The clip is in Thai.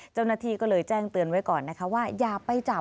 เจ้าหน้าที่ก็เลยแจ้งเตือนไว้ก่อนนะคะว่าอย่าไปจับ